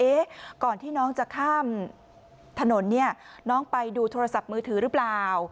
ก่อนที่น้องจะข้ามถนนเนี่ยน้องไปดูโทรศัพท์มือถือหรือเปล่า